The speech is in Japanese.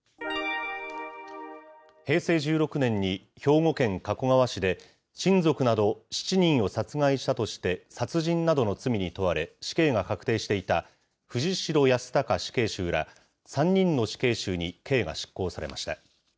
平成１６年に、兵庫県加古川市で、親族など７人を殺害したとして、殺人などの罪に問われ、死刑が確定していた藤城康孝死刑囚ら、３人の死刑囚に刑が執行されました。